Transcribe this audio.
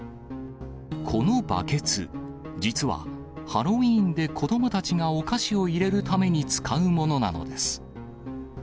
このバケツ、実は、ハロウィーンで子どもたちがお菓子を入れるために使うものなのです。